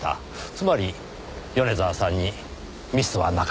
つまり米沢さんにミスはなかった。